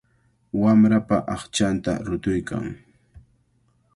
Wamrapa aqchanta rutuykan.